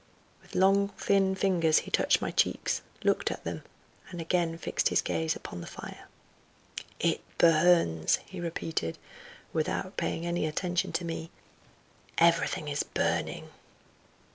With long, thin fingers he touched my cheeks, looked at them, and again fixed his gaze upon the fire. "It burns," he repeated, without paying any attention to me. "Everything is burning."